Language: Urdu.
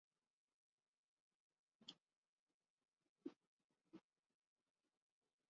کولاراڈو دنیا کا سب سے چھوٹا ٹرانسفارمر ایجاد کرلیا گیا ہے جس کے اونچائی صرف ملی میٹر ہے